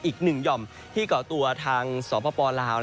อีก๑หย่อมที่เกาะตัวทางศอบพลลาว